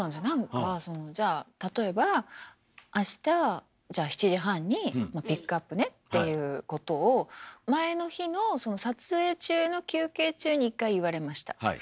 何かそのじゃあ例えば明日じゃあ７時半にピックアップねっていうことを前の日のその撮影中の休憩中に１回言われました。